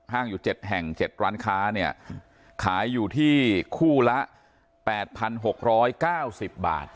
ห้างอยู่เจ็ดแห่งเจ็ดร้านค้าเนี้ยขายอยู่ที่คู่ละแปดพันหกร้อยเก้าสิบบาท